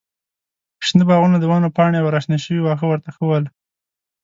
شنه باغونه، د ونو پاڼې او راشنه شوي واښه ورته ښه ول.